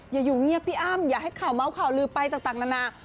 อยู่เงียบพี่อ้ำอย่าให้ข่าวเมาส์ข่าวลือไปต่างนานา